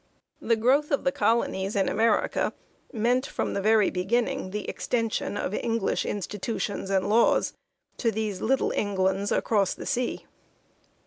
The growth of the colonies in America meant, from the very beginning, the extension of Eng lish institutions and laws to these little Englands across the 'sea.